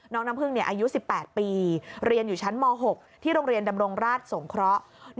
น้ำพึ่งอายุ๑๘ปีเรียนอยู่ชั้นม๖ที่โรงเรียนดำรงราชสงเคราะห์